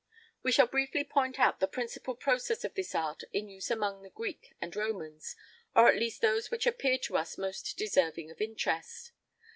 [I 28] We shall briefly point out the principal processes of this art in use among the Greeks and Romans, or at least those which appear to us most deserving of interest.